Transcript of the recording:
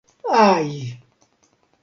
Aj.